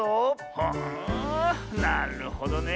はあなるほどね。